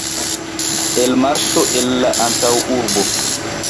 Elmarŝo el la antaŭurbo.